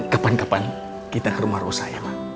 kapan kapan kita ke rumah rosa ya